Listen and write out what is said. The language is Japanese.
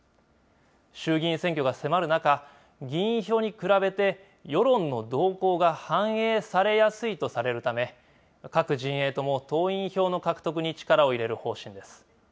衆議院選挙が迫る中、議員票に比べて世論の動向が反映されやすいとされるため、各陣営とも党員票の獲得に力を入れる方針です。